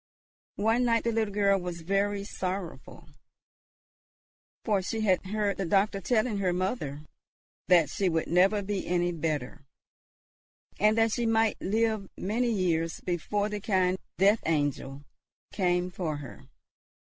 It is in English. One night the little girl was very sorrowful, for she had heard the doctor telling her mother that she would never be any better, and that she might live many years before the kind death angel came for her.